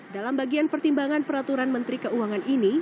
dalam bagian pertimbangan peraturan menteri keuangan ini